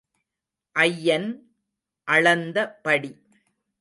ஐயன் அளந்த படி.